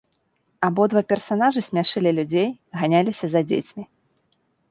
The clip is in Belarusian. Абодва персанажы смяшылі людзей, ганяліся за дзецьмі.